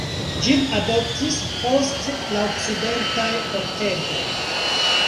Ĝin adoptis poste la okcidentaj kortegoj.